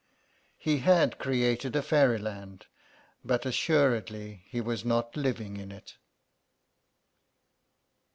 '" He had created a fairyland, but assuredly he was not living in it.